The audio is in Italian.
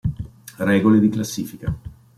Regole di classifica